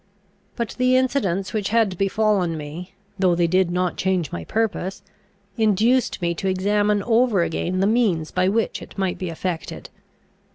But the incidents which had befallen me, though they did not change my purpose, induced me to examine over again the means by which it might be effected.